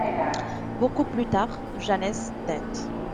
Beaucoup plus tard, Janez Detd.